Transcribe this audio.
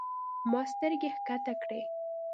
ما سترګې کښته کړې.